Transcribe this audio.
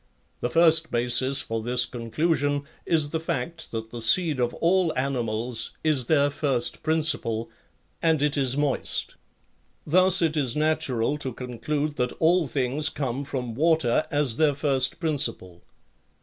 The first basis for this conclusion is the fact that the seed of all animals is their first principle and it is moist; thus it is natural to conclude that all things come from water as their first principle.